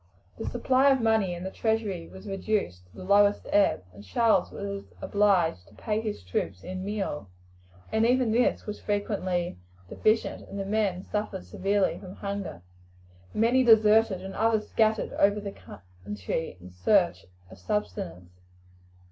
The supply of money in the treasury was reduced to the lowest ebb, and Charles was obliged to pay his troops in meal, and even this was frequently deficient, and the men suffered severely from hunger. Many deserted, and others scattered over the country in search of subsistence.